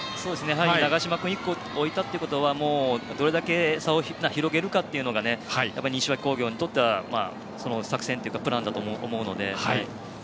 長嶋君を１区に置いたということはどれだけ差を広げるかというのが西脇工業にとっては作戦、プランだと思うので。